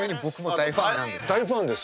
大ファンです。